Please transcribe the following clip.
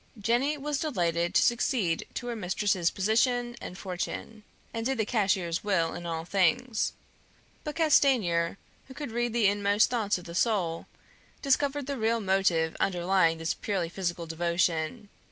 Jenny was delighted to succeed to her mistress's position and fortune, and did the cashier's will in all things; but Castanier, who could read the inmost thoughts of the soul, discovered the real motive underlying this purely physical devotion.